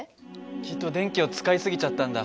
きっと電気を使い過ぎちゃったんだ。